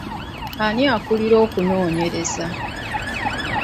Ani akulira okunoonyereza?